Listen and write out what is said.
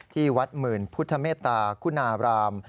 ที่วัดหมื่นพุทธเมตตาคุณาราม